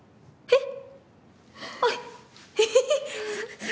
えっ？